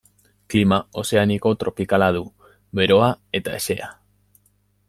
Klima ozeaniko tropikala du, beroa eta hezea.